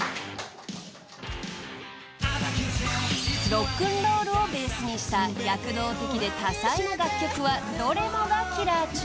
［ロックンロールをベースにした躍動的で多彩な楽曲はどれもがキラーチューン］